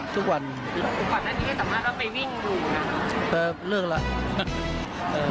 ทุกวันไหมค่ะพี่ทุกวันไหม